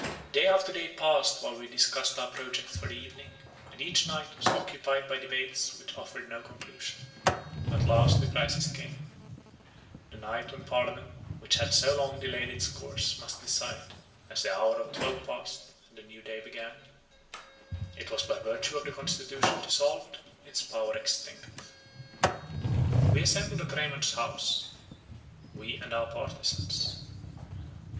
Day after day passed while we discussed our projects for the evening, and each night was occupied by debates which offered no conclusion. At last the crisis came: the night when parliament, which had so long delayed its choice, must decide: as the hour of twelve passed, and the new day began, it was by virtue of the constitution dissolved, its power extinct. We assembled at Raymond's house, we and our partizans.